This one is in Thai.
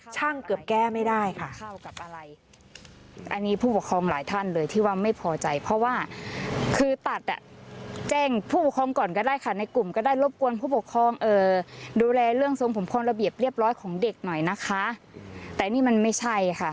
เกือบแก้ไม่ได้ค่ะ